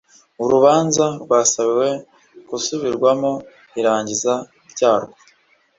urubanza rwasabiwe gusubirwamo irangiza ryarwo